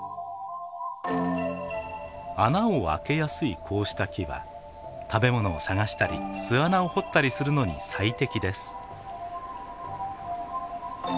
穴を開けやすいこうした木は食べ物を探したり巣穴を掘ったりするのに最適です。